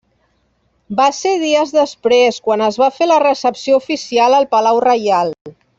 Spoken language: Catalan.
Va ser dies després, quan es va fer la recepció oficial al Palau Reial.